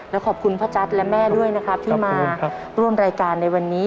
และขอบคุณพ่อจั๊ดและแม่ด้วยนะครับที่มาร่วมรายการในวันนี้